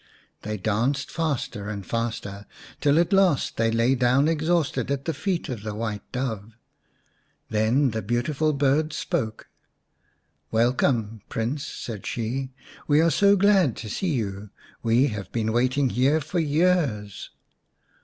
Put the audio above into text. They danced faster and faster till at last they lay down exhausted at the feet of the White Dove. Then the beautiful bird spoke. ""Welcome, Prince," said she. "We are so glad to see you, we have been waiting here for years."